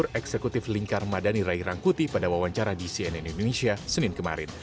direktur eksekutif lingkar madani rai rangkuti pada wawancara di cnn indonesia senin kemarin